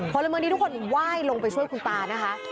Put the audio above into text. พลเมืองดีทุกคนไหว้ลงไปช่วยคุณตานะคะ